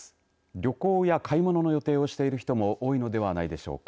旅行や買い物の予定をしている人も多いのではないでしょうか。